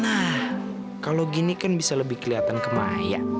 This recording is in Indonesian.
nah kalau gini kan bisa lebih kelihatan ke mayat